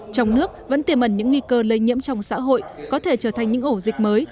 trong nước vẫn tiềm ẩn những nguy cơ lây nhiễm trong xã hội có thể trở thành những ổ dịch mới